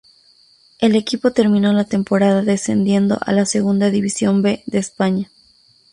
El equipo terminó la temporada descendiendo a la Segunda División B de España.